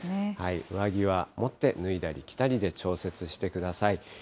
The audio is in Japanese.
上着は持って、脱いだり着たりで調節してください。